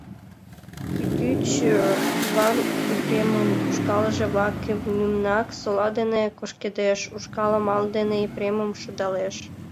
Кӱтӱчӧ Йыван Епремын ушкалже-влакым лӱмынак сола дене кушкедеш, ушкал амал дене Епремым шудалеш.